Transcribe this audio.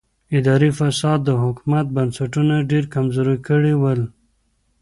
اداري فساد د حکومت بنسټونه ډېر کمزوري کړي ول.